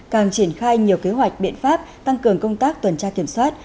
càng triển khai nhiều kế hoạch biện pháp tăng cường công tác tuần tra kiểm soát